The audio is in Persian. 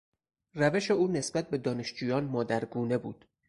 روش او نسبت به دانشجویان مادرگونه بود.